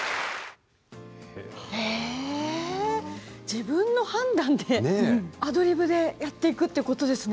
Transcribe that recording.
自分の判断でアドリブでやっていくということですね。